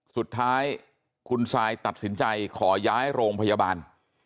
สุดท้ายคุณซายตัดสินใจขอย้ายโรงพยาบาล